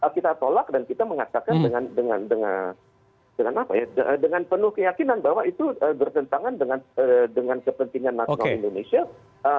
kita tolak dan kita mengatakan dengan penuh keyakinan bahwa itu bertentangan dengan kepentingan nasional indonesia